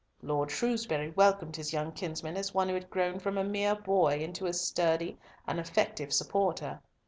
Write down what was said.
Lord Shrewsbury welcomed his young kinsman as one who had grown from a mere boy into a sturdy and effective supporter.